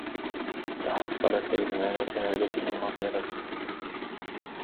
تحصّلت ليلى على شهادة ممرّضة.